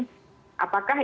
apakah ini bisa diperlukan